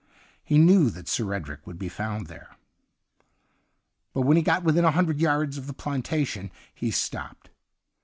He knew that Sir Edric would be found there. But when he got within a hun dred yards of the plantation, he stopped.